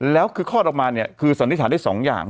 แล้วคือข้อออกมาคือสนิทัลได้๒อย่าง